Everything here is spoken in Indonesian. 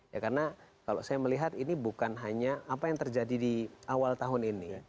ya karena kalau saya melihat ini bukan hanya apa yang terjadi di awal tahun ini